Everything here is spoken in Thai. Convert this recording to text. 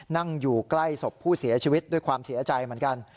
นั่งอยู่ใกล้ศพผู้เสียชีวิตด้วยความเสียใจเหมือนกัน